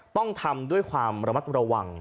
ต้องทำด้วยความระมัดระวัง